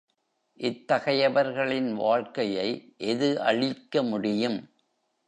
இத்தகையவர்களின் வாழ்க்கையை எது அழிக்க முடியும்?